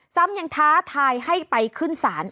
ซ้ำยังท้าทายให้ไปขึ้นศาล